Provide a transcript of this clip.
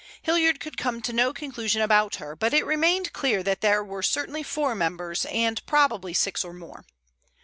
Hilliard could come to no conclusion about her, but it remained clear that there were certainly four members, and probably six or more.